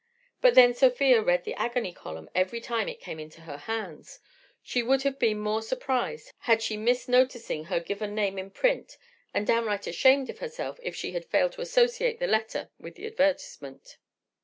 But then Sofia read the Agony Column every time it came into her hands: she would have been more surprised had she missed noticing her given name in print, and downright ashamed of herself if she had failed to associate the letter with the advertisement.